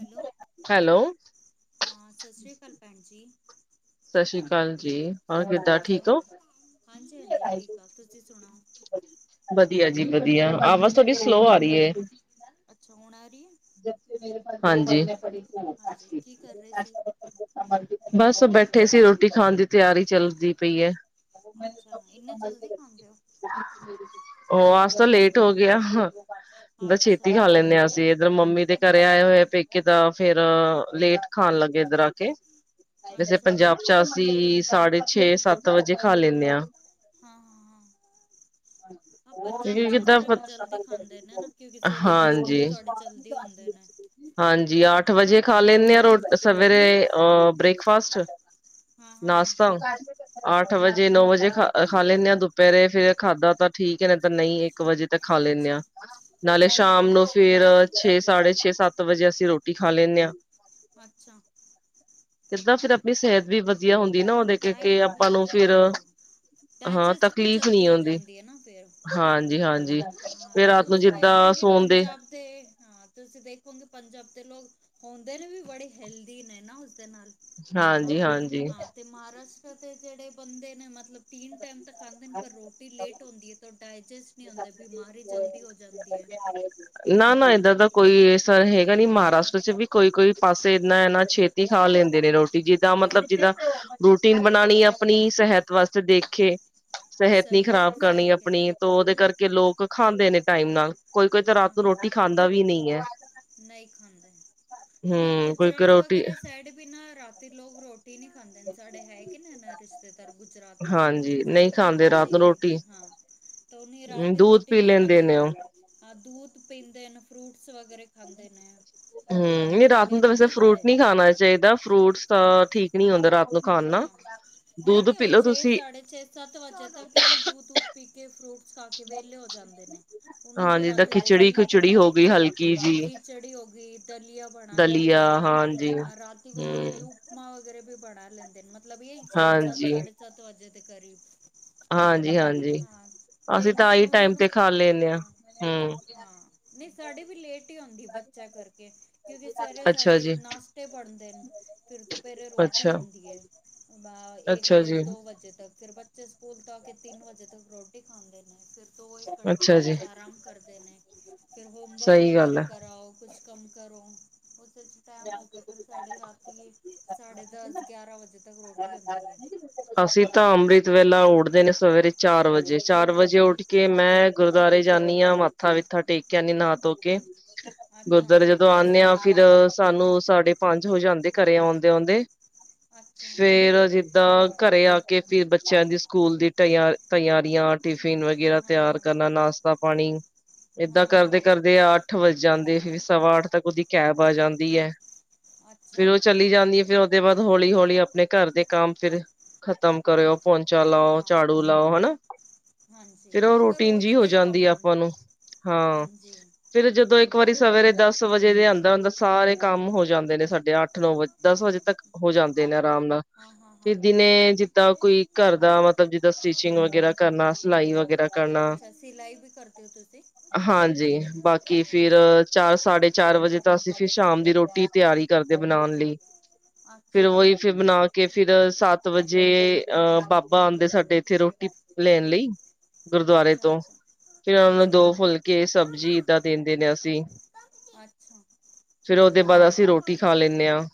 Hello hello, ਹਾਂ, ਸਤਿ ਸ਼੍ਰੀ ਅਕਾਲ ਭੈਣ ਜੀ। ਸਤਿ ਸ੍ਰੀ ਅਕਾਲ ਜੀ, ਹੋਰ ਕਿਦਾਂ ਠੀਕ ਹੋ। ਹਾਂਜੀ-ਹਾਂਜੀ ਠੀਕ ਆ, ਤੁਸੀਂ ਸੁਣਾਓ? ਵਧੀਆ ਜੀ ਵਧੀਆ ਆਵਾਜ਼ ਥੋਡੀ ਹਾਂ ਸਲੋਅ ਆ ਰਹੀ ਹੈ। ਅੱਛਾ ਹੁਣ ਆ ਰਹੀ ਹੈ ਹਾਂਜੀ। ਹਾਂਜੀ। ਕੀ ਕਰ ਰਹੇ ਸੀ। ਬਸ, ਬੈਠੇ ਸੀ। ਰੋਟੀ ਖਾਣ ਦੀ ਤਿਆਰੀ ਚੱਲਦੀ ਪਈ ਹੈ। ਮੈਂ, ਸਭ ਅੱਛਾ ਇੰਨੇ ਸੰਭਾਲ ਕੇ ਜਲਦੀ ਰਖਦੀ ਖਾਂਦੇ ਹੋ ਹੂੰ। ਉਹ, ਅੱ ਤਾਂ ਲੇਟ ਹੋ ਗਿਆਦਾ ਬ ਛੇਤੀ ਅੱਛਾ ਖਾ ਲੈਂਦੇ ਹ ਅਸੀਂ। ਇੱਧਰ ਮੰਮੀ ਦੇ ਘਰੇ ਆਏ ਹੋਏ, ਪੇਕੇ ਤਾਂ ਫੇਰ, ਲੇਟ ਖਾਣ ਲੱਗੇ ਇੱਧਰ ਆ ਕੇ। ਵੈਸੇ, ਅੱਛਾ ਪੰਜਾਬ ਚ ਅਸੀਂ ਸਾਢੇ ਛੇ, ਸੱਤ ਵਜੇ ਖਾ ਲੈਂਦੇ ਹਾਂ। ਹਾਂ, ਹਾਂ- ਹਾਂ। ਹਾਂ [unintelligible] ਕਿਕ ਪੰਜਾਬ 'ਚ ਉਸ ਕਿਦਾਂ ਤਰ੍ਹਾਂ ਵੀ ਜਲਦੀ ਖਾਂਦੇ ਨੇ ਨਾ ਕਿਉਂਕਿ ਸਵੇਰੇ ਨਾਸ਼ਤੇ ਵੀ ਹਾਂਜੀ। ਤੁਹਾਡੇ ਜਲਦੀ ਹੁੰਦੇ ਨੇ ਹਾਂਜੀ। ਅੱਠ ਵਜੇ ਖਾ ਲ ਲੈਂਦੇ ਆ। ਰੋ ਸਵੇਰੇ ਅ ਬ੍ਰੇਕਫਾਸਟ ਹਾਂ ਹਾਂ ਹਾਂ ਨਾਸ਼ਤਾ ਅੱਠ ਵਜੇ, ਨੌ ਵਜੇ ਖਾ, ਖਾ ਲੈਂਦੇ ਹਾਂ। ਦੁਪਹਿਰੇ ਫੇਰ ਖਾਧਾ ਤਾਂ ਠੀਕ ਹੈ। ਨਹੀਂ ਤਾਂ ਨਹੀਂ, ਇੱਕ ਵਜੇ ਤੱਕ ਖਾ ਲੈਂਦੇ ਅੱਛਾ ਹਾਂ। ਨਾਲੇ ਹਾਂ ਹਾਂ ਸ਼ਾਮ ਹਾਂ ਨੂੰ ਫੇਰ, ਛੇ, ਸਾਢੇ ਛੇ, ਸੱਤ ਵਜੇ ਅਸੀਂ ਰੋਟੀ ਖਾ ਲੈਂਦੇ ਹਾਂ। ਅੱਛਾ। ਕਿੱਦਾਂ ਫੇਰ ਆਪਣੀ ਸਿਹਤ ਵੀ ਵਧੀਆ ਹੁੰਦੀ ਨਾ, ਹਾਂ ਉਹਦੇ ਕੇ ਡਾਇਟ ਆਪਾਂ ਵੀ ਨੂੰ ਫੇਰ ਹਾਂ ਹਾਂ ਡਾਇਜੈਸਟ ਵੀ ਤਕਲੀਫ਼ ਜਲਦੀ ਨਹੀਂ ਹੋ ਆਉਂਦੀ। ਜਾਂਦੀ ਹੈ ਨਾ ਫਿਰ ਹਾਂਜੀ-ਹਾਂਜੀ ਹਾਂ ਫੇਰ ਤੇ ਰਾਤ ਨੂੰ ਤੁਸੀਂ ਜਿੱਦਾਂ। ਵੇਖੋਗੇ ਸੋਣਦੇ ਪੰਜਾਬ ਦੇ ਹ ਤੁਸੀਂ ਦੇਖੋਗੇ, ਪੰਜਾਬ ਦੇ ਲੋਕ ਹੁੰਦੇ ਨੇ ਵੀ, ਬੜੇ ਹੈਲਦੀ ਨੇ ਨਾ। ਉਸਦੇ ਨਾਲ ਹਾਂ ਹਾਂਜੀ- ਹਾਂਜੀ। ਹਾਂ ਤੇ ਮਹਾਰਾਸ਼ਟਰ ਦੇ ਜਿਹੜੇ ਬੰਦੇ ਨੇ, ਮਤਲਬ ਤਿੰਨ ਟਾਈਮ ਤਾਂ ਖਾਂਦੇ, ਪਰ ਰੋਟੀ ਲੇਟ ਦੀ ਡਾਈਜੈਸਟ ਨਹੀਂ ਹੁੰਦੇ। ਬੀਮਾਰੀ ਜਲਦੀ ਔ ਤੋ। ਨਾ- ਨਾ, ਇੱਧਰ ਦਾ ਕੋਈਸਰ ਹੈਗਾ ਨੀ। ਹਾਂ ਮਹਾਰਾਸ਼ਟਰ ਚ ਵੀ ਕੋਈ ਕੋਈ ਪਾਸੇ ਇਦਨਾ ਹੈ, ਨਾ ਛੇਤੀ ਖਾ ਲੈਂਦੇ ਨੇ ਰੋਟੀ। ਜਿੱਦਾਂ ਹਾਂ ਮਤਲਬ ਹਾਂ ਜਿੱਦਾਂ ਰੋਟੀ ਬਣਾਉਣੀ ਆਪਣੀ ਸਿਹਤ ਵਾਸਤੇ ਦੇਖੇ ਸਿਹਤ ਨੀ ਸਹੀ ਹੈ ਖ਼ਰਾਬ ਕਰਨੀ ਸਹੀ ਕਹਿ ਰਹੇ ਆਪਣੀ। ਹੋ ਤਾਂ ਉਹਦੇ ਕਰਕੇ ਲੋਕ ਖਾਂਦੇ ਨੇ ਟਾਈਮ ਨਾਲ। ਕੋਈ- ਕੋਈ, ਤਾਂ ਰਾਤ ਹਾਂ ਨੂੰ ਹਾਂ ਰੋਟੀ ਹਾਂ ਖਾਂਦਾ ਵੀ ਨਹੀਂ ਹੈ। ਨ ਹਮ ਕੋਈ ਕੋਈ ਗੁਜਰਾਤ ਰੋਟੀ ਵਗੈਰਾ ਸਾਈਡ ਮੇਂ ਨਾ, ਰਾਤੀ ਲੋਕ ਰੋਟੀ ਰੋਟੀ ਨਹੀਂ ਖਾਂਦੇ। ਸਾਡੇ ਹੈਗੇ ਨਾ ਰਿਸ਼ਤੇਦਾਰ ਗੁਜਰਾਤ ਵਿੱਚ, ਹਾਂਜੀ ਨਹੀਂ ਸਾਡੀ ਖਾਂਦੇ ਭੂਆ ਚ ਰਾਤ ਨੂੰ ਰੋਟੀ ਹੈਗੀ, ਹਾਂ। ਤੇ ਉਹਨੇ, ਰਾਤ ਹਮ ਦੀ ਦੁੱਧ ਰੋਟੀ ਪੀ ਨੀ ਲੈਂਦੇ ਖਾਂਦੀ ਨੇ ਏ। ਉਹ ਹਾਂ ਦੂਧ ਪੀਂਦੇ ਨੇ ਫਰੂਟਸ ਵਗੈਰਾ ਖਾਂਦੇ ਨੇ ਹਮ ਹਾਂ ਨਹੀਂ ਤੇ ਰਾਤ ਨੂੰ ਤਾਂ ਵੈਸੇ ਹੈਲਦੀ ਫਰੂਟ ਬੜੇ ਨਹੀਂ ਖਾਣਾ ਚਾਹੀਦਾ ਫਰੂਟਸ ਤਾਂ ਹਾਂ ਠੀਕ ਨੀ ਹੁੰਦਾ ਰਾਤ ਨੂੰ ਖਾਣ ਨਾਲ ਹਾਂ। ਨਹੀਂ- ਦੁੱਧ ਨਹੀਂ, ਪੀ ਉਹ ਲਓ ਛੇ, ਤੁਸੀਂ ਸਾਢੇ ਛੇ, ਸੱਤ ਵਜੇ ਤੋਂ ਕਿੰਨਾ ਦੂ, ਦੂ ਪੀਕੇ ਫਰੂਟ ਖਾ ਕੇ ਵਿਹਲੇ ਹੋ ਜਾਂਦੇ ਨੇ। ਉਹਨਾਂ ਹਾਂ ਦੀ ਜਿੱਦਾਂ ਰਾਤੀ ਰੋਟੀ ਖਿਚੜੀ ਨਹੀਂ ਖੁਚੜੀ ਬਣਦੀ, ਹੋ ਗਈ ਹਲਕੀ ਹਾਂ ਜੀ ਖਿਚੜੀ ਦਲੀਆਂ ਬਣਾ ਦਲੀਆ ਲੀਤਾ। ਹਾਂਜੀ ਰਾਤ ਵਲੇ ਉਹ ਨ ਹੂੰ ਉਪ ਵੀ ਬਣਾ ਲੈਂਦੇ ਨੇ। ਮਤਲਬ ਇਹ ਛੇ, ਸੱਤ, ਸਾਢੇ ਸੱਤ ਵਜੇ ਦੇ ਕਰੀਬ ਹਾਂ ਹਾਂਜੀ-ਹਾਂਜੀ, ਹਾਂ ਤੇ ਅਸੀਂ ਤਾਂ ਨਾਲ ਆਈ ਉਹਨਾਂ ਟਾਈਮ ਨੂੰ ਤੇ ਖਾ ਲੈਂਦੇ ਹਾਂ। ਹਮ। ਹਾਂ ਨਹੀਂ ਸਾਡੇ ਵੀ ਲੇਟ ਆਉਂਦੀ ਬੱਚਾ ਕਰਕੇ, ਕਿਉਂਕਿ ਸਵੇਰੇ ਅੱਛਾ ਸਾਡੇ ਜੀ। ਨਾਸ਼ਤੇ ਬਣਦੇ ਨੇ। ਫੇਰ ਦੁਪਹਿਰੇ ਰੋਟੀ। ਰੋਟੀ ਅੱਛਾ। ਆਉਂਦੀ ਏ। ਇੱਕ, ਅੱਛਾ ਡੇਢ, ਜੀ, ਦੋ ਵਜੇ ਤੱਕ। ਫੇਰ ਬੱਚੇ, ਸਕੂਲ ਤੋਂ ਆ ਕੇ, ਤਿੰਨ ਵਜੇ ਤੱਕ ਰੋਟੀ ਖਾਂਦੇ ਨੇ। ਦੋ, ਇੱਕ ਘੰਟੇ ਅੱਛਾ ਜੀ। ਬੱਚੇ ਆਰਾਮ ਕਰਦੇ ਨੇ, ਫੇਰ ਹੋਮਵਰਕ ਸਹੀ ਗੱਲ ਵਗੈਰਾ ਹੈ। ਕਰਾਓ, ਕੁਛ ਕੰਮ ਕਰੋ। ਟੈਮ ਹੋ ਕੇ, ਫੇਰ ਸਾਡੀੇ ਰਾਤੀ ਸਾਢੇ ਦਸ, ਗਿਆਰਾਂ ਵਜੇ ਤੱਕ ਰੋਟੀ ਹੁੰਦੀ ਹੈ ਅਸੀਂ ਤਾਂ, ਅੰਮ੍ਰਿਤ ਵ ਉੱਠਦੇ ਨੇ ਸਵੇਰੇ ਚਾਰ ਵਜੇ। ਚਾਰ ਵਜੇ ਉੱਠ ਕੇ ਮੈਂ, ਗੁਰਦੁਆਰੇ ਜਾਂਦੀ ਹਾਂ ਮੱਥਾ ਵਿੱਥਾ ਟੇਕਿਆ ਨੀ ਨਾ- ਧੋ ਕੇ। ਅੱਛਾ ਗੁਰਦੁਆਰੇ ਜਦੋਂ ਆਉਂਦੇ ਆ ਫੇਰ ਸਾਨੂੰ ਸਾਢੇ ਪੰਜ ਹੋ ਜਾਂਦੇ ਘਰੇ ਆਉਂਦੇ-ਆਉਂਦੇ, ਅੱਛਾ ਫੇਰ ਜ ਦਾ ਘਰੇ ਆ ਕੇ ਫਿਰ ਬੱਚਿਆਂ ਦੀ ਸਕੂਲ ਦੀ ਤਿਆ ਤਿਆਰੀਆਂ। ਟਿਫਿਨ ਹਾਂ ਵਗੈਰਾ ਹਾਂ ਹਾਂ ਤਿਆਰ ਕਰਨਾ ਨਾਸ਼ਤਾ ਪਾਣੀ। ਏਦਾਂ ਹਾਂ ਕਰਦੇ ਹਾਂ ਕਰਦੇ ਅੱਠ ਵੱਜ ਜਾਂਦੇ ਹਾਂ ਸਵਾ ਅੱਠ ਤੱਕ ਉਹਦੀ ਕੈਬ ਆ ਜਾਂਦੀ ਹੈ। ਫੇਰ ਅੱਛਾ ਉਹ ਚਲੀ ਜਾਂਦੀ ਹੈ ਫੇਰ ਦੇ ਬਾਅਦ ਹੌਲੀ ਹੌਲੀ ਆਪਣੇ ਘਰ ਦੇ ਕੰਮ ਫਿਰ ਖਤਮ ਕਰਿਓ। ਪੋਂਚਾ ਲਾਓ ਹਾਂ ਝਾੜੂ ਲਾਓ ਹਨਾ। ਹਾਂਜੀ ਫਿਰ ਉਹ ਤਾਂ ਰੁਟੀਨ ਰੋਜ਼ ਜਿਹੀ ਹੋ ਦਾ ਹੀ ਕੰਮ ਜਾਂਦੀ ਹਨ ਆਪਾਂ ਨੂੰ ਹਾਂ ਹਾਂਜੀ ਫਿਰ ਜਦੋਂ ਇੱਕ ਵਾਰੀ ਸਵੇਰੇ ਦਸ ਵਜੇ ਦੇ ਅੰਦਰ ਅੰਦਰ ਸਾਰੇ ਕੰਮ ਹੋ ਜਾਂਦੇ ਨੇ ਸਾਡੇ ਅੱਠ ਨੌ ਦਸ ਵਜੇ ਹਾਂ ਤੱਕ ਹੋ ਜਾਂਦੇ ਨੇ ਆਰਾਮ ਨਾਲ ਹਾਂ ਹਾਂ ਹਾਂ ਫਿਰ ਦਿਨੇ ਜ ਤਾਂ ਕੋਈ ਘਰ ਦਾ ਮਤਲਬ ਜਿੱਦਾਂ ਸਟਿਚਿੰਗ ਵਗੈਰਾ ਕਰਨਾ ਸਿਲਾਈ ਵਗੈਰਾ ਕਰਨਾ ਅੱਛਾ ਸਿਲਾਈ ਵੀ ਕਰਦੇ ਹੋ ਤੁਸੀਂ ਹਾਂਜੀ ਬਾਕੀ ਫਿਰ ਅੱਛਾ ਚਾਰ ਸਾਢੇ ਚਾਰ ਵਜੇ ਤਾਂ ਅਸੀਂ ਫਿਰ ਸ਼ਾਮ ਦੀ ਰੋਟੀ ਤਿਆਰੀ ਕਰਦੇ ਬਣਾਉਣ ਲਈ ਫਿਰ ਅੱਛਾ ਉਹੀ ਫਿਰ ਬਣਾ ਕੇ ਫਿਰ ਸੱਤ ਵਜੇ ਅਹ ਬਾਬਾ ਆਉਂਦੇ ਸਾਡੇ ਇੱਥੇ ਰੋਟੀ ਲੈਣ ਲਈ। ਗੁਰਦੁਆਰੇ ਅੱਛਾ ਤੋਂ ਫਿਰ ਉਹਨਾਂ ਨੂੰ ਹਾਂਜੀ ਦੋ ਫੁਲਕੇ ਸਬਜ਼ੀ ਏਦਾਂ ਦਿੰਦੇ ਨੇ ਅਸੀਂ। ਅੱਛਾ ਅੱਛਾ ਫਿਰ ਉਹਦੇ ਬਾਅਦ ਅਸੀਂ ਰੋਟੀ ਖਾ ਲੈਂਨੇ ਹਾਂ।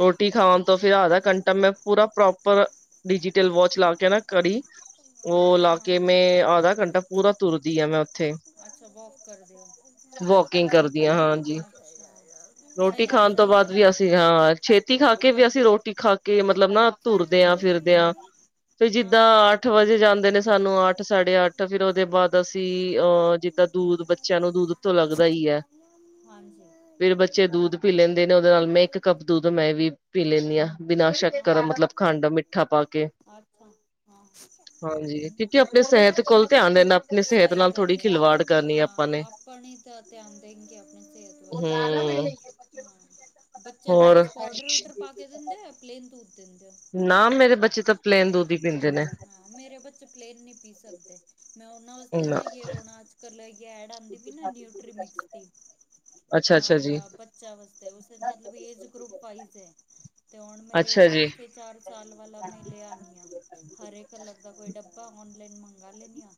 ਰੋਟੀ ਖਾਨ ਤੋਂ ਫਿਰ ਆਧਾ ਘੰਟਾ ਮੈਂ ਪੂਰਾ ਪ੍ਰੋਪਰ ਡਿਜੀਟਲ ਵਾਚ ਲਾ ਕੇ ਨਾ ਕੜੀ ਉਹ ਹਾਂ ਹਾਂ ਲਾਕੇ ਹਾਂ ਮੈਂ ਆਧਾ ਘੰਟਾ ਪੂਰਾ ਤੁਰਦੀ ਆ ਮੈਂ ਉੱਥੇ। ਅੱਛਾ ਕਰਦੇ ਓ ਵੋਕਿੰਗ ਕਰਦੀ ਹਾਂ ਹਾਂਜੀ। ਅੱਛਾ ਰੋਟੀ ਸਹੀ ਹੈ ਖਾਣ ਤੋਂ ਸਹੀ ਬਾਅਦ ਗੱਲ ਵੀ ਹੈ ਨਾ ਅਸੀਂ ਹਾਂ ਛੇਤੀ ਖਾ ਕੇ ਵੀ ਹਾਂ। ਹਾਂ ਅਸੀਂ ਰੋਟੀ ਖਾ ਕੇ ਮਤਲਬ ਹਾਂ ਹਾਂ। ਨਾ ਤੁਰਦਿਆਂ ਫਿਰਦਿਆਂ। ਹਾਂਜੀ। ਤੇ ਹਾਂ ਹਾਂ ਜਿੱਦਾਂ ਹਾਂ ਅੱਠ ਵਜੇ ਜਾਂਦੇ ਅੱਛਾ ਨੇ ਸਾਨੂੰ ਅੱਠ ਸਾਢੇ ਅੱਠ ਫਿਰ ਉਹਦੇ ਬਾਅਦ ਅਸੀਂ ਅਹ ਜਿੱਦਾਂ ਦੂਧ ਬੱਚਿਆਂ ਨੂੰ ਦੂਧ ਤੋਂ ਲੱਗਦਾ ਹੀ ਹੈ। ਹਾਂਜੀ ਫਿਰ ਬੱਚੇ ਦੁੱਧ ਪੀ ਲੈਂਦੇ ਨੇ ਉਹਦੇ ਨਾਲ ਮੈਂ ਇੱਕ ਕੱਪ ਦੁਧ ਮੈਂ ਵੀ ਪੀ ਲੈਂਨੀ ਹਾਂ ਬਿਨਾ ਸ਼ੱਕ ਮਤਲਬ ਖੰਡ ਮਿੱਠਾ ਪਾ ਕੇ। [inaudible] ਹਾਂਜੀ ਕਿਉਂਕਿ ਆਪਣੀ ਸਿਹਤ ਕੋਲ ਧਿਆਨ ਦੇਣਾ ਆਪਣੀ ਸਿਹਤ ਸਹੀ ਨਾਲ ਥੋੜ੍ਹੀ ਗਲ ਏ ਖਿਲਵਾੜ ਕਰਨੀ ਹਾਂ ਆਪਾਂ ਨੇ ਆਪਾਂ ਨ ਤਾਂ ਧਿਆਨ ਦੇਣਗੇ ਆਪਣੀ ਸਿਹਤ ਵੱਲ। ਹਮ ਹਾਂ ਬੱਚਿਆਂ ਨੂੰ ਹੋਰ ਕੁਛ ਪੋਡਰ ਉਡਰ ਪਾ ਕੇ ਦਿੰਦੇ ਯਾ ਪਲੇਨ ਦੂਧ ਦਿੰਦੇ ਹੋ ਨਾ ਮੇਰੇ ਬੱਚੇ ਤਾਂ ਪਲੇਨ ਦੁੱਧ ਹੀ ਪੀਂਦੇ ਨੇ। ਹਾਂ ਮੇਰੇ ਬੱਚੇ ਪਲੇਨ ਨੀ ਪੀ ਸਕਦੇ ਮੈਂ ਉਹਨਾਂ ਵਸਤੇ ਨਾ ਯੇ ਹੁਣ ਅੱਜ ਕੱਲ ਐਡ ਆਂਦੀ ਪੀ ਨਾ ਨਿਊਟਰੀਮਿਕਸ ਦੀ। ਅੱਛਾ ਅੱਛਾ ਜੀ ਬੱਚਿਆਂ ਵਾਸਤੇ ਉਸ ਮਤਲਬ ਏਜ ਗਰੁੱਪ ਵਾਈਜ਼ ਹੈ। ਤੇ ਹੁਣ ਮੇਰੇ ਅੱਛਾ ਜੀ ਦੋ ਤੇ ਚਾਰ ਸਾਲ ਵਾਲਾ ਮੈਂ ਲੈ ਆਨੀ ਆਂ ਹਰੇ ਕਲਰ ਦਾ ਕੋਈ ਡੱਬਾ ਔਨਲਾਈਨ ਮੰਗਾ ਲੈਨੀ ਆਂ।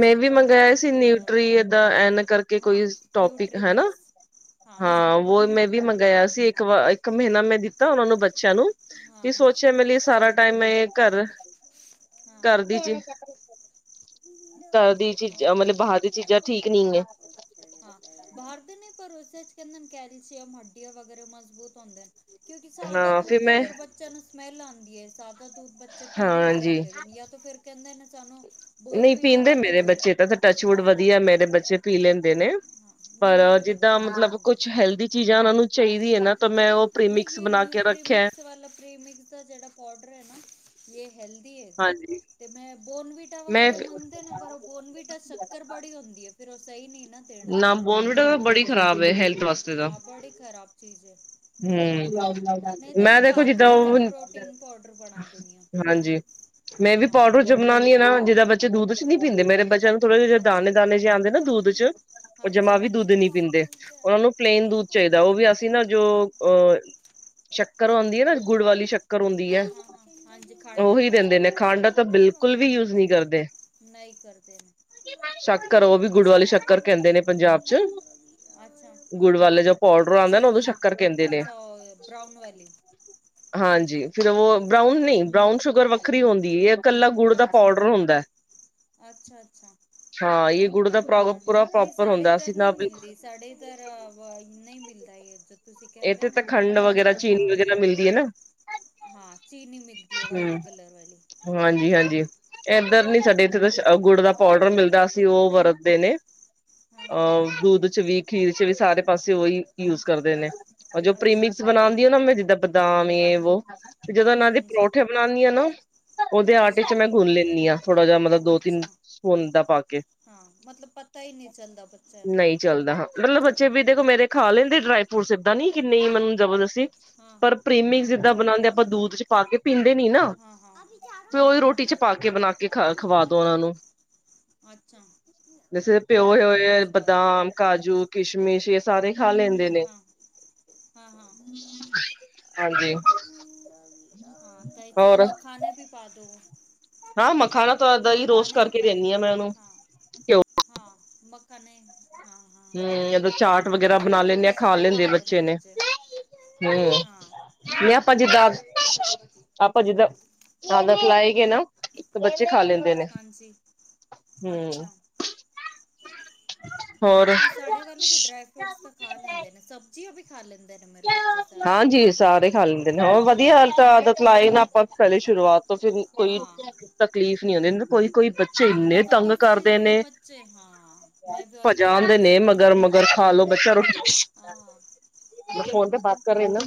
ਮੈਂ ਵੀ ਮੰਗਵਾਯਾ ਸੀ ਨਿਊਟਰੀ ਐਦਾਂ ਐਨ ਕਰਕੇ ਹਾਂ ਕੋਈ ਟੋਪਿਕ ਨਿਊਟਰੀ ਹੈ ਨਾ। ਮਿਕਸ ਹਾਂਜੀ ਹਾਂ ਵੋ ਮੈਂ ਵੀ ਮੰਗਾਇਆ ਸੀ ਇੱਕ ਇੱਕ ਹਾਂ ਮਹੀਨਾ ਮੈਂ ਦਿੱਤਾ ਉਹਨਾਂ ਨੂੰ ਬੱਚਿਆਂ ਨੂੰ ਹਾਂ ਤੇ ਹਾਂ ਸੋਚਿਆ ਟਾਈਮ ਮੈਂ ਘਰ ਹਾਂ ਘਰ ਦੀ ਚੀ ਹਾਂ ਘਰ ਦੀ ਚੀਜ਼ਾਂ ਮਤਲਬ ਬਾਹਰ ਦੀਆਂ ਚੀਜ਼ਾਂ ਠੀਕ ਨਹੀਂ ਹੈ। ਹਾਂ ਬਾਹਰਦੇ ਨੇ ਪਰ ਉਸ ਚ ਕਹਿੰਦੇ ਕੈਲਸ਼ੀਅਮ ਹੱਡੀਆਂ ਵਗੈਰਾ ਮਜ਼ਬੂਤ ਹੁੰਦੇ ਨੇ ਕਿਉਂਕਿ ਸਾਦਾ ਹਾਂ ਦੂਧ ਤਾਂ ਮੈਂ ਫਿਰ ਬੱਚਿਆਂ ਨੂੰ ਸਮੈਲ ਆਉਂਦੀ ਹੈ ਸਾ ਤਾਂ ਦੁਧ ਬੱਚੇ ਪੀ ਨਹੀਂ ਹਾਂਜੀ ਸਕਦੇ ਜਾਂ ਯਾ ਫਿਰ ਕਹਿੰਦੇ ਨੇ ਸਾਨੂੰ ਨਹੀਂ ਬੋਨਵੀਟਾ ਪੀਂਦੇ ਵਾਲਾ ਮੇਰੇ ਦੋ ਬੱਚੇ ਤਾਂ ਤਾਂ ਟੱਚਵੁਡ ਹਾਂ ਵਧੀਆ ਮੇਰੇ ਬੱਚੇ ਪੀ ਲੈਂਦੇ ਨੇ। ਹਾਂ ਨਹੀਂ ਪਰ ਮੇਰੇ ਜਿੱਦਾਂ ਬੱਚੇ ਨਹੀਂ ਮਤਲਬ ਪੀਂਦੇ ਕੁਛ ਹੈਲਦੀ ਚੀਜ਼ਾਂ ਉਹਨਾਂ ਨੂੰ ਚਾਹੀਦੀ ਏ ਨਾ। ਤਾਂ ਮੈਂ ਉਹ ਪ੍ਰੀਮਿਕਸ ਨਹੀਂ ਬਣਾ ਕੇ ਨਿਊਟਰੀ ਰੱਖਿਆ ਮਿਕਸ ਵਾਲਾ ਪ੍ਰੀਮਿਕਸ ਦਾ ਜਿਹੜਾ ਪਾਡਰ ਹੈ ਨਾ ਯੇ ਹੈਲਦੀ ਹੈਗਾ। ਹਾਂਜੀ ਤੇ ਮੈਂ ਬੋਨਵੀਟਾ ਮੈਂ ਵਗੈਰਾ ਮੰਗਦੇ ਨੇ ਪਰ ਉਹ ਬੋਨਵੀਟਾ ਸ਼ੱਕਰ ਬੜੀ ਹੁੰਦੀ ਫੇਰ ਉਹ ਸਹੀ ਨਹੀਂ ਨਾ ਦੇਣਾ ਨਾ ਬੋਨਵੀਟਾ ਤਾਂ ਬੜੀ ਖ਼ਰਾਬ ਏ, ਹੈਲ ਹਾਂ। ਬੜੀ ਖਰਾਬ ਚੀਜ਼ ਹੈ ਗੀ ਐਂ। ਹਮ, ਮੈਂ ਦੇਖੋ ਘਰ ਜਿੱਦਾਂ ਵੀ ਉਸ ਓ ਤਰ੍ਹਾਂ ਪ੍ਰੋਟੀਨ ਪਾਊਡਰ ਬਣਾ ਦਿੰਦੀ ਹਾਂ ਹਾਂਜੀ, ਮੈਂ ਵੀ ਹਾਂ ਪੋਡਰ ਚ ਬਣਾਉਦੀ ਹਾਂ ਨਾ ਜਿਦਾਂ ਬੱਚੇ ਦੂ ਦੁਧ ਚ ਨੀ ਪੀਦੇ ਮੇਰੇ ਬੱਚਿਆਂ ਨੂੰ ਥੋੜਾ ਜਿਹੇ ਹਾਂਜੀ ਦਾਣੇ-ਦਾਣੇ ਜਿ ਆਉਦੇ ਨਾ ਦੂਧ ਚ ਉਹ ਜਮਾ ਹਾਂਜੀ ਵੀ ਦੁੱਧ ਹਾਂਜੀ ਨੀ ਪੀਂਦੇ ਉਹਨਾ ਨੂੰ ਹਾਂ ਪਲੇਨ ਹਾਂ ਦੁਧ ਚਾਹੀਦਾ ਉਹ ਵੀ ਕੋਸ਼ਿਸ਼ ਅਸੀਂ ਨਾ ਜੋ ਪਾਊਡਰ ਅ ਸ਼ੱਕਰ ਆਉਂਦੀ ਹੈ ਨਾ, ਗੁੜ ਵਾਲੀ ਸ਼ੱਕਰ ਆਦੀ ਹਾਂ ਹੈ, ਹਾਂ ਹਾਂ ਹਾਂਜੀ ਖੰਡ ਉਹੀ ਦਿੰਦੇ ਨੇ ਖੰਡ ਤਾਂ ਬਿਲ ਬਿਲਕੁਲ ਵੀ ਯੂਜ ਨਹੀਂ ਕਰਦੇ। ਨਹੀਂ ਕਰਦੇ ਨੇ। ਸ਼ੱਕਰ ਉਹ ਵੀ ਗੁੜ ਅੱਛਾ ਵਾਲੇ ਸ਼ੱਕਰ ਕਹਿੰਦੇ ਨੇ ਪੰਜਾਬ ਚ। ਅੱਛਾ ਗੁੜ ਵਾਲੇ ਜਾਂ ਪੋਡਰ ਆਉਂਦਾ ਨਾ ਉਹਦੋਂ ਚੀਨੀ ਸ਼ੱਕ ਅੱਛਾ, ਉਹ ਬਰਾਊਨ ਵਾਲੀ ਹਾਂਜੀ। ਫਿਰ ਉਹ ਬਰਾਊਨ ਹਾਂ ਨਹੀਂ, ਬਰਾਊਨ ਸ਼ੂਗਰ ਵੱਖਰੀ ਹੁੰਦੀ ਏ। ਕੱਲਾ ਗੁੜ ਦਾ ਪਾਊਡਰ ਹੁੰਦਾ ਏ। ਅੱਛਾ-ਅੱਛਾ ਗੁੜ ਦਾ ਪ੍ਰੋ ਹਾਂ। ਪੂਰਾ ਨਹੀਂ ਪ੍ਰੋਪਰ ਸਾਡੇ ਹੁੰਦਾ ਇਧਰ ਅਸੀਂ ਨਾ ਨਹੀਂ ਬਿਲਕੁਲ ਮਿਲਦੀ, ਸਾਡੇ ਇਧਰ ਨਹੀਂ ਮਿਲਦੀ। ਨੇਈ ਇਧਰ ਇੱਥੇ ਤਾਂ ਖੰਡ ਵਗੈਰਾ ਚੀਨੀ ਵਗੈਰਾ ਮਿਲਦੀ ਹੈ ਨਾ। ਹਾਂ, ਚੀਨੀ ਮਿਲਦੀ ਹੈ ਵਾਈਟ ਕਲਰ ਵਾਲੀ। ਏਧਰ ਹਾਂ ਨੀ, ਸਾਡੇ ਇੱਥੇ ਤਾਂ ਗੁੜ ਦਾ ਪਾਊਡਰ ਮਿਲਦਾ ਅਸੀਂ ਉਹ ਵਰਤਦੇ ਨੇ ਹਾਂ ਹਾਂ ਅਹ ਹਾਂ ਦੁਧ ਚ ਵੀ, ਖੀਰ ਚ ਵੀ ਸਾਰੇ ਪਾਸੇ ਉਹੀ ਯੂਜ ਕਰਦੇ ਨੇ ਉਹ ਜੋ ਅੱਛਾ ਪ੍ਰੀਮਿਕਸ ਬਣਾਉਂਦੀ ਨਾ ਮ ਜਿੱਦਾਂ ਬਦਾਮ ਯੇ ਵੋ ਤੇ ਜਦੋਂ ਇਹਨਾਂ ਹਾਂਜੀ ਦੀ ਹਾਂਜੀ ਪਰੌਠੇ ਬਣਾਉਂਦੀ ਆ ਨਾ ਉਹਦੇ ਆਟੇ ਹਾਂਜੀ ਚ ਮੈਂ ਗੁੰਣ ਲੈਂਦੀ ਹਾਂ, ਥੋੜਾ ਜ ਮਤਲਬ ਦੋ-ਤਿੰਨ ਅੱਛਾ ਸੁੰਦਾ ਪਾ ਕੇ ਹਾਂ, ਮਤਲਬ ਪਤਾ ਹੀ ਨਹੀਂ ਚੱਲਦਾ ਬੱਚਿਆਂ ਨੂੰ ਨਹੀਂ ਚੱਲਦਾ ਹਾਂ ਮਤਲਬ ਬੱਚੇ ਵੀ, ਦੇਖੋ ਮੇਰੇ ਖਾ ਲੈਂਦੇ ਡਰਾਈ ਫਰੂਟਸ ਏਦਾਂ ਨਈ ਕਿੰ ਨੀ ਮੈਨੂੰ ਜਬਰਦਸਤੀ ਹਾਂ ਪਰ ਪ੍ਰੇਮਿਕਸ ਹਾਂ ਹਾਂ ਜਿੱਦਾਂ ਹਾਂ ਬਣਾਉਂਦੇ ਆਪਾਂ ਦੂਧ ਚ ਪਾ ਕੇ ਪੀਂਦੇ ਨੀ ਨਾ ਹਾਂ ਹਾਂ ਫਿਰ ਉਹਦੀ ਹਾਂ ਰੋਟੀ ਚ ਚ ਪਾ ਕੇ ਬਣਾ ਕੇ ਖਾ-ਖਵਾ ਦੋ ਉਹਨਾਂ ਨੂੰ ਅੱਛਾ, ਜੈਸੇ ਪਿਓਏ ਪਰੌਂਠੇ ਵੋਠੇ ਹੋਏ ਚ ਪਾਦੋ। ਬਦਾਮ ਕਾਜੂ ਕਿਸ਼ਮਿਸ਼ ਇਹ ਸਾਰੇ ਖਾ ਲੈਂਦੇ ਨੇ ਹਾਂਜੀ ਹਾਂ, ਤਾਂ ਇੱਥ ਹੋਰ ਮਖਾਨੇ ਵੀ ਪਾ ਦੋ। ਹਾਂ ਮੱਖਾਣਾ ਤ ਇਦਾਂ ਹੀ ਰੋਸਟ ਕਰਕੇ ਦੇਨੀ ਹਾਂ ਮੈਂ ਉਹਨੂੰ। ਕਿਉ ਮੱਖਣ ਨੇਈ। ਹੂ, ਯਾਤਾ ਚਾਟ ਵਗੈਰਾ ਬਣਾ ਲੈਂਦੇ ਆ, ਖੁਸ਼ੀ ਖਾ ਤੇ ਲੈਂਦੇ ਆ ਖਾਂਦੇ ਬੱਚੇ ਨੇ। ਹੂ, ਨੀ ਹਾਂ ਮੈਂ ਆਪਾਂ ਜਿੱਦਾਂ ਆਪਾਂ ਜਿੱਦਾਂ, ਆਦਤ ਲਾਏ ਗਏ ਨਾ ਬੱਚੇ ਖਾ ਲੈਂਦੇ ਨੇ, ਹਾਂਜੀ ਹੂ। ਅੱਛਾ ਨਹੀਂ ਸਾਡੇ ਵੱਲੇ ਵੀ ਡਰਾਈ ਫਰੂਟਸ ਤਾਂ ਖਾ ਲੈਂਦੇ ਨੇ, ਸਬਜ਼ੀਆਂ ਵੀ ਖਾ ਲੈਂਦੇ ਨੇ ਮੇਰੇ ਬੱਚੇ ਹਾਂਜੀ, ਸਾਰੇ ਖਾ ਲੈਂਦੇ ਨੇ ਹ ਵਧੀਆ ਹਾਂ ਆਦਤ ਲਾਏ ਨੇ ਹਾਂ ਆਪਾਂ ਪਹਿਲੇ, ਸ਼ੁਰੂਆਤ ਤੋਂ ਫਿਰ ਕੋਈ ਹਾਂ ਤਕਲੀਫ਼ ਨੀ ਆਉਂਦੀ ਇਨੂੰ ਹਾਂ, ਨਹੀਂ ਤਾਂ ਕਿਸ-ਕਿਸ ਦੇ ਨੇ ਬੱਚੇ ਹਾਂ। ਮੈਂ ਵੀ ਉਹੀ ਕਹਿ ਰਹੀ ਭਜਾਦੇ ਨੇ ਸੀ। ਮਗਰ ਮਗਰ ਖਾ ਲੋ ਬੱਚਾ, ਹਾਂ ਮੈਂ ਹਾਂ ਫੋਨ ਤੇ ਬਾਤ ਕਰ ਰਹੀ ਹੂੰ ਨਾ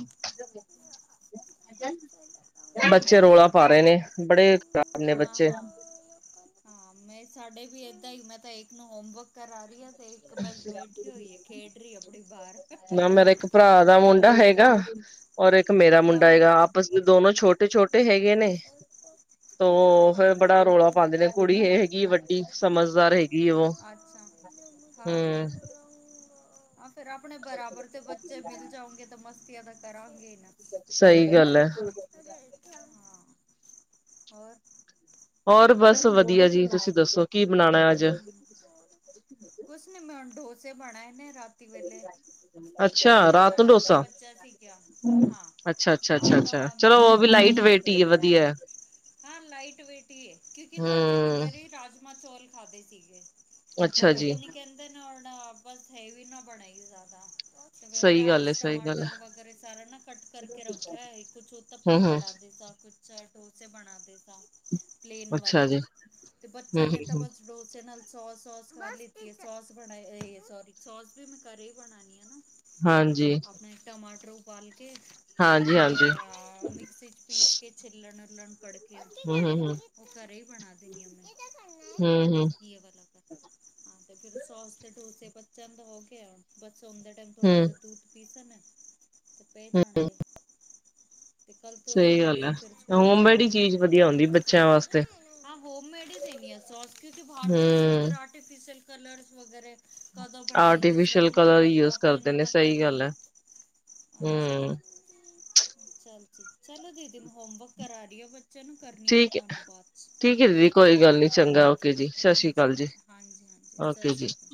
ਬੱਚੇ ਰੌਲਾ ਪਾ ਰਹੇ ਨੇ ਬੜੇ ਖ਼ਰਾਬ ਨੇ ਬੱਚੇ ਹਾਂ-ਹਾਂ-ਹਾਂ, ਮੈਂ ਸਾਡੇ ਵੀ ਏਦਾਂ ਹੀ ਮੈਂ ਤਾਂ ਇੱਕ ਨੂੰ ਹੋਮਵਰਕ ਕਰਾ ਰਹੀ ਹਾਂ। ਤੇ ਇੱਕ ਬਸ ਬੈਠੀ ਹੋਈ ਹੈ ਖੇਡ ਰਹੀ ਹੈ ਆਪਣੀ ਬਾਹਰ [inaudible] ਨਾ ਮੇਰਾ ਇੱਕ ਭਰਾ ਦਾ ਮੁੰਡਾ ਹੈੇਗਾ। ਔਰ ਇੱਕ ਮੇਰਾ ਮੁੰਡਾ ਹਾਂ ਹੈਗਾ। ਆਪਸ ਦੋਨੋ ਛੋਟੇ ਛੋਟੇ ਹੈਗੇ। ਗੇ ਨੇ। ਤੋ ਹਾਂ ਫੇਰ ਹਾਂ ਬੜਾ ਰੌਲਾ ਪਾਉਂਦੇ ਨੇ। ਕੁੜੀ ਇਹ ਹੈਗੀ ਵੱਡੀ [unintelligible] ਸਮਝਦਾਰ ਹੈਗੀ ਉਹ ਹਮ ਹਾ-ਹਾਂ। ਫੇਿਰ ਆਪਣੇ ਬਰਾਬਰ ਤੇ ਬੱਚੇ ਮਿਲ ਜਾਓਗੇ ਤਾਂ ਮਸਤੀਆਂ ਤਾਂ ਕਰਾਂਗੇ। ਨਾ ਸਹੀ ਥੋੜਾ ਗੱਲ ਸਾ ਹੈ। ਅਗਰ ਹਾਂ ਹੋਰ? ਹੋਰ ਕੀ ਕਰ ਬਸ ਰਹੇ ਵਧੀਆ ਜੀ, ਤੁਸੀਂ ਦੱਸੋ ਕੀ ਬਣਾਣਾ ਹੋ ਅੱਜ? ਹੂੰ ਕੁਛ ਨੀ ਮੈਂ ਹੁਣ ਡੋਸੇ ਬਣਾਏ ਨੇ ਰਾਤੀ ਵੇਲੇ, ਅੱਛਾ ਮੇਰੇ ਆਟਾ ਬੱਚਾ ਸੀਗਾ। ਅੱਛਾ-ਅੱਛਾ, ਅੱਛਾ-ਅੱਛਾ, ਚਲੋ ਉਹ ਵੀ ਮੈਂ ਲਾਈਟ ਦੋ ਦਿਨ ਵੇਟ ਹੀ ਹੈ। ਪਹਿਲੇ ਨਾ ਵਧੀਆ ਐ। ਹਾਂ, ਲਾਈਟ ਵੇਟ ਹੀ ਹੈ। ਕਿਉਂਕਿ ਨਾ ਅਸੀਂ ਹਮ। ਦੁਪਹਿਰੇ ਹੀ ਰਾਜਮਾਂ-ਚੋਲ ਖਾਦੇ ਸੀਗੇ। ਤੇ ਅੱਛਾ ਫੇਿਰ ਜੀ ਇਹ ਨ ਕਹਿੰਦੇ ਨੇ ਉਹ ਨਾ ਬਸ ਹੈਵੀ ਨਾ ਬਣੇ ਹੀ ਜ਼ਿਆਦਾ। [inaudible] ਪਿਆਜ, ਹੈ ਸਹੀ ਗੱਲ ਹੈ ਟਮਾਟਰ ਵਗੈਰਾ ਸਾਰਾ ਨਾ ਕਟ ਕਰਕੇ ਰੱਖਿਆ ਹੈ। ਕੁਛ ਉਹਤਪੇ ਹਮ ਹਮ ਬੜਾ ਦੇਗਾ ਕੁਛ। ਚਾਹੇ ਡੋਸੇ ਬਣਾ ਦੇਗਾ ਪਲੇਨ ਅੱਛਾ ਜੀ ਵਾਲੇ ਤੇ ਹਮ ਬੱਚਾ ਨੇ ਹਮ ਤਾਂ ਹਮ। ਬਸ ਡੋਸੇ ਨਾਲ ਸੋ ਸੋਸ ਕਰ ਲਿਤੀ ਸੋਸ ਬਣਾ ਸੋਰੀ ਸੋਸ ਵੀ ਮੈਂ ਘਰੇ ਹੀ ਬਣਾਨੀ ਹੈ ਨਾ। ਹਾਂਜੀ। ਆਪਣੇ ਟਮਾਟਰ ਉਬਾਲ ਕੇ ਹਾਂਜੀ ਤੇ ਹਾਂਜੀ ਅ, ਮਿਕਸੀ ਚ ਪੀਸ ਕੇ ਛਿਲਣ ਲਣ ਪਡੇ ਹਮ ਹਮ ਹਮ ਉਹ ਘਰੇ ਬਣਾ ਦਿੰਨੀ ਆ ਮੈਂ। ਹੁਂ-ਹੁਂ। ਇਹ ਵਾਲਾ ਕਰ ਹਾਂ ਤੇ ਫਿਰ ਸੋਸ ਤੇ ਡੋਸੇ ਬੱਚਿਆਂ ਦਾ ਹੋ ਗਿਆ ਥਸ। ਸੋਂਦੇ ਟਾਈਮ ਥੋੜਾ ਸਾ ਹਮ ਦੁੱਧ ਪੀਸਣ ਹੈ। ਤੇ ਪੇ ਹਮ। ਜਾਣਗੇ। ਤੇ ਕੱਲ ਤੋਂ ਹੀ ਸਹੀ ਗੱਲ ਹੈ। ਰੂਟੀਨ ਫਿਰ ਸਕੂਲ ਹੋਮਸੇਡ ਹੀ ਚਾਲੂ ਹੈ ਚੀਜ਼ ਵਧੀਆ ਹੁੰਦੀ ਬੱਚਿਆਂ ਵਾਸਤੇ। ਹਾਂ, ਹੋਮਮੇਡ ਹੀ ਦੇਣੀ ਆ ਸੋਸ ਕਿਉਂਕਿ ਭਾਰਤ ਦੇ ਇਸ ਵਿੱਚ ਹਮ। ਪਰ ਆਰਟੀਫਿਸ਼ਅਲ ਕਲਰਸ ਵਗੈਰਾ ਕਦੋਂ ਬਣਾਈ ਕਿਸ ਤਰਾਂ ਆਰਟੀਫਿਸ਼ਲ ਚੀਜ਼ ਕਲਰ ਵਰਤੀ ਆਪਣੇ ਇਹਨੂੰ ਪਤਾ ਨਈ ਨਾ। ਹੁਂ। ਹਾਂਜੀ ਚੱਲ ਠੀਕ। ਚਲੋ ਦੀਦੀ ਮ ਹੋਮਵਰਕ ਕਰਾ ਰਹੀ ਫੇਰ। ਠੀਕ ਹੈ, ਠੀਕ ਹੈ ਦੀਦੀ। ਓਕੇ ਕੋਈ ਗੱਲ ਨੀ ਚੰਗਾ ਓ ਓਕੇ ਜੀ, ਸਤਿ ਸ੍ਰੀ ਹਾਂਜੀ ਅਕਾਲ ਜੀ। ਹਾਂਜੀ ਹਾਂਜੀ ਸਤਿ ਓਕੇ ਜੀ। ਸ਼੍ਰੀ ਅਕਾਲ